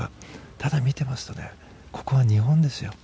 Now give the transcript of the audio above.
ただ、見てますとここは日本ですよ。